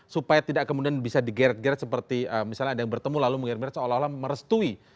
supaya tidak kemudian bisa digeret geret seperti misalnya ada yang bertemu lalu menggeret seolah olah merestui